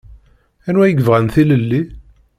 Anwa i yebɣan tilelli?